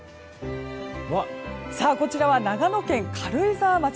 こちらは長野県軽井沢町。